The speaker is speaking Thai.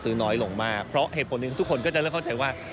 น้อยลงมากเพราะเหตุผลหนึ่งทุกคนก็จะเริ่มเข้าใจว่า